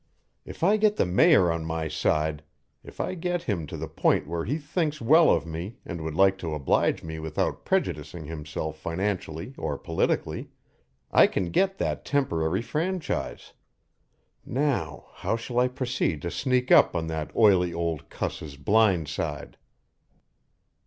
If I get the Mayor on my side if I get him to the point where he thinks well of me and would like to oblige me without prejudicing himself financially or politically I can get that temporary franchise. Now, how shall I proceed to sneak up on that oily old cuss's blind side?"